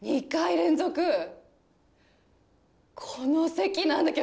２回連続この席なんだけど。